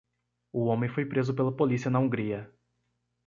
O homem foi preso pela polícia na Hungria.